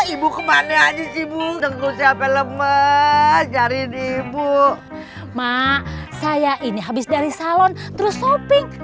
ibu kemana aja sibuk sampai lemes hari ibu mak saya ini habis dari salon terus shopping nih